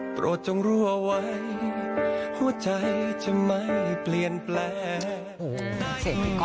โปรดจงรั่วไว้หัวใจจะไม่เปลี่ยนแปลง